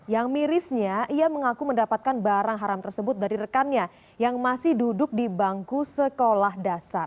yang mirisnya ia mengaku mendapatkan barang haram tersebut dari rekannya yang masih duduk di bangku sekolah dasar